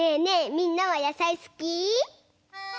みんなはやさいすき？